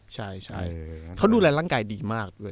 ใช่เขาดูแลร่างกายดีมากด้วย